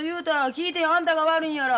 聞いてへんあんたが悪いんやら。